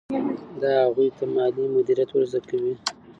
دا هغوی ته مالي مدیریت ور زده کوي.